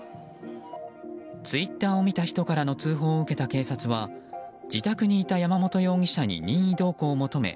ツイッターを見た人からの通報を受けた警察は自宅にいた山本容疑者に任意同行を求め